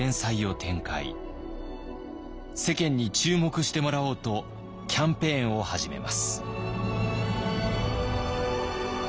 世間に注目してもらおうとキャンペーンを始めます。